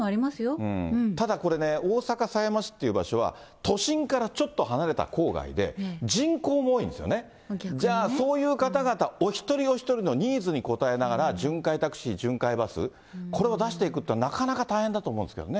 ただこれね、大阪狭山市っていう場所は、都心からちょっと離れた郊外で、逆にね。じゃあ、そういう方々お一人お一人のニーズに応えながら、巡回タクシー、巡回バス、これを出していくというのはなかなか大変だと思うんですけどね。